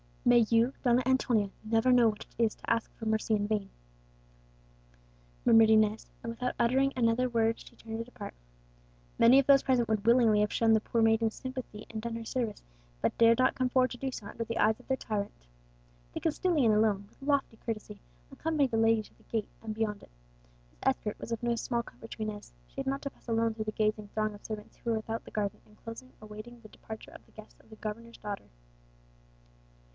"May you, Donna Antonia, never know what it is to ask for mercy in vain!" murmured Inez; and without uttering another word she turned to depart. Many of those present would willingly have shown the poor maiden sympathy and done her service, but dared not come forward to do so under the eyes of their tyrant. The Castilian alone, with lofty courtesy, accompanied the young lady to the gate, and beyond it. His escort was no small comfort to Inez; she had not to pass alone through the gazing throng of servants who were without the garden enclosure awaiting the departure of the guests of the governor's daughter.